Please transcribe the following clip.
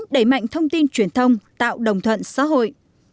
đẩy mạnh thông tin truyền thông tạo đồng thuận xã hội